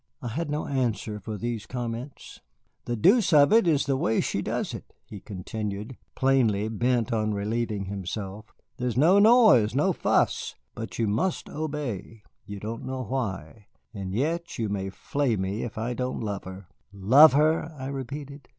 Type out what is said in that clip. I had no answer for these comments. "The deuce of it is the way she does it," he continued, plainly bent on relieving himself. "There's no noise, no fuss; but you must obey, you don't know why. And yet you may flay me if I don't love her." "Love her!" I repeated.